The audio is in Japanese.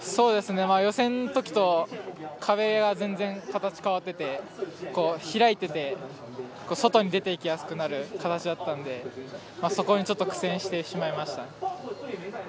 予選のときと壁が全然、形が変わってて開いてて外に出ていきやすくなる形だったんでそこにちょっと苦戦してしまいました。